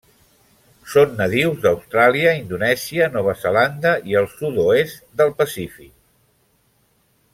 Són nadius d'Austràlia, Indonèsia, Nova Zelanda i el sud-oest del Pacífic.